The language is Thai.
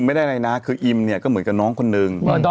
ไม่หรอกก็คือจริงแล้วอ่ะ